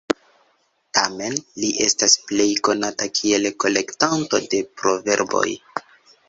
Tamen li estas plej konata kiel kolektanto de proverboj.